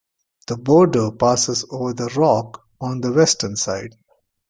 The border passes over the rock on the Western side.